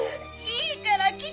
いいから来て！